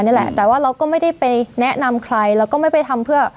นี่แหละแต่ว่าเราก็ไม่ได้ไปแนะนำใครเราก็ไม่ไปทำเพื่อ